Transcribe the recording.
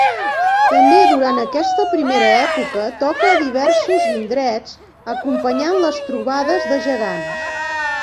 També durant aquesta primera època toca a diversos indrets acompanyant les trobades de gegants.